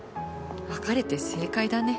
別れて正解だね。